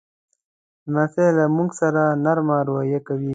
لمسی له مور سره نرمه رویه کوي.